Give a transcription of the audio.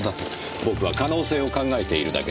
僕は可能性を考えているだけです。